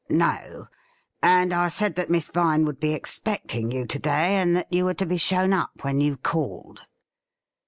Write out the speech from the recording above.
' No. And I said that Miss Vine would be expecting you to day, and that you were to be shown up when you called.'